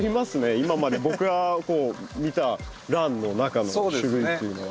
今まで僕がこう見たランの中の種類というのは。